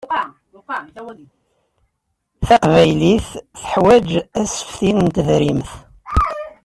Taqbaylit teḥwaǧ asefti n tedrimt.